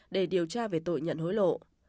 để điều tra về tội nhận hối lộ